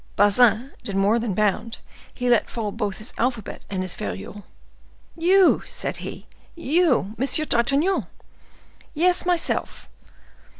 Bazin did more than bound; he let fall both his alphabet and his ferule. "You!" said he; "you, Monsieur D'Artagnan?" "Yes, myself!